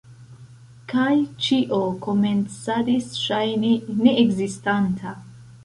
Kaj ĉio komencadis ŝajni neekzistanta.